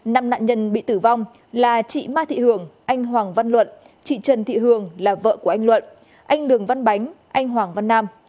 năm nạn nhân bị tử vong là chị ma thị hường anh hoàng văn luận chị trần thị hường là vợ của anh luận anh lường văn bánh anh hoàng văn nam